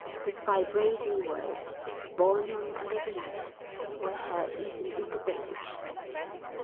His vibrating words, borne on by the wind, were heard even in the village.